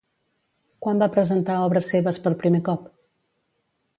Quan va presentar obres seves per primer cop?